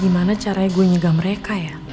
gimana cara gue nyegah mereka